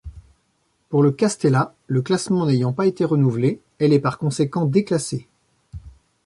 Pour le Castellas, le classement n'ayant pas été renouvelé, elle est par conséquent déclassée.